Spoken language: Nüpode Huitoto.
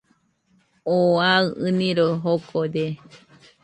Oo aɨ ɨniroi jokode